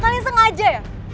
kalian sengaja ya